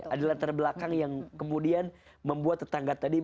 ada latar belakang yang kemudian membuat tetangga tadi